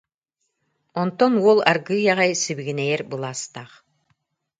Онтон уол аргыый аҕай сибигинэйэр былаастаах: